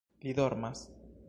- Li dormas?